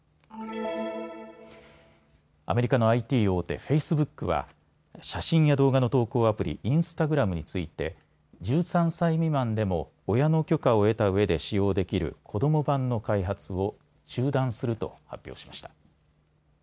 アメリカのＩＴ大手、フェイスブックは写真や動画の投稿アプリ、インスタグラムについて１３歳未満でも親の許可を得たうえで使用できる子ども版の開発を中断すると発表しました。